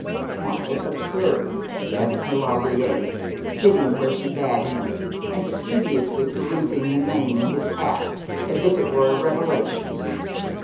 'Why absurd?' asked Maulevrier, sitting where she bade him, and studiously perusing the name in his hat, as if it were a revelation.